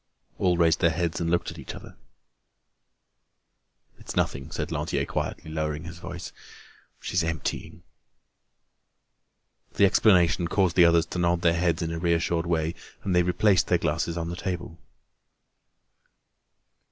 All raised their heads and looked at each other. "It's nothing," said Lantier quietly, lowering his voice. "She's emptying." The explanation caused the others to nod their heads in a reassured way, and they replaced their glasses on the table.